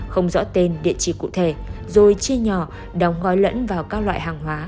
không rõ tên địa chỉ cụ thể rồi chia nhỏ đóng gói lẫn vào các loại hàng hóa